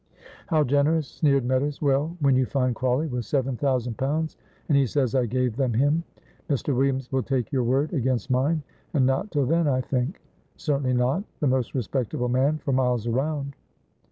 "How generous!" sneered Meadows. "Well, when you find Crawley with seven thousand pounds, and he says I gave them him, Mr. Williams will take your word against mine, and not till then, I think." "Certainly not the most respectable man for miles round!"